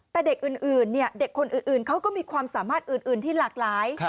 แต่เด็กอื่นเด็กคนอื่นเขาก็มีความสามารถอื่นที่หลากหลาย